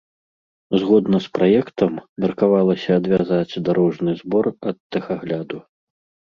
Згодна з праектам, меркавалася адвязаць дарожны збор ад тэхагляду.